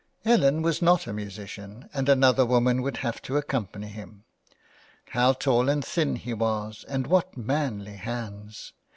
310 THE WILD GOOSE. Ellen was not a musician, and another woman would have to accompany him. How tall and thin he was and what manly hands